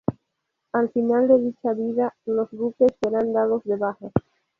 Al final de dicha vida, los buques serán dados de baja.